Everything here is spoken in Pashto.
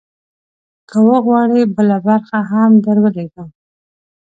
که وغواړې، بله برخه هم درولیږم.